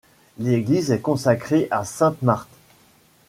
L'église est consacrée à sainte Marthe.